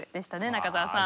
中澤さん。